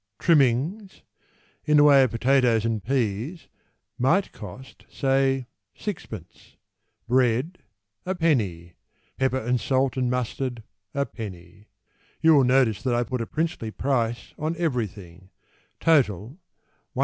Trimmings In the way of potatoes and peas might cost, say, 6d., Bread, 1d., Pepper, salt, and mustard, 1d. (You will notice that I put a princely price on everything), Total, 1s.